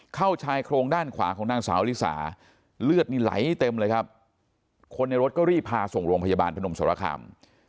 ชายโครงด้านขวาของนางสาวลิสาเลือดนี่ไหลเต็มเลยครับคนในรถก็รีบพาส่งโรงพยาบาลพนมสรคาม